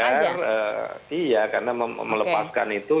mas haidar iya karena melepaskan itu